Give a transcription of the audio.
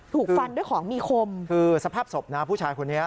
ถูกฟันด้วยของมีคมคือสภาพศพนะผู้ชายคนนี้